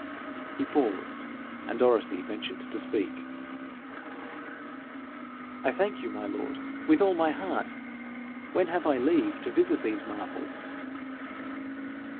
He paused, and Dorothy ventured to speak. 'I thank you, my lord, with all my heart. When have I leave to visit those marvels?'